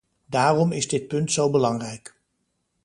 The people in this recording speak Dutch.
Daarom is dit punt zo belangrijk.